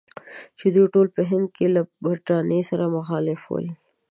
چې دوی ټول په هند کې له برټانیې سره مخالف ول.